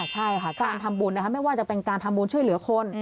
ใช่ค่ะการทำบุญนะคะไม่ว่าจะเป็นการทำบุญช่วยเหลือคน